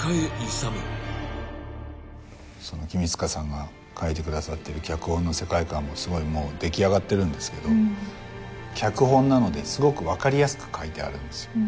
君塚さんが書いてくださってる脚本の世界観もすごい出来上がってるんですけど脚本なのですごく分かりやすく書いてあるんですよ。